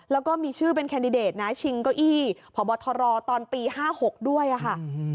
แล้วก็มีชื่อเป็นแคนดิเดตนะชิงเก้าอี้ผอบทรตอนปีห้าหกด้วยอ่ะค่ะอืม